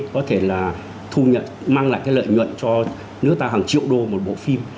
có thể là thu nhận mang lại cái lợi nhuận cho nước ta hàng triệu đô một bộ phim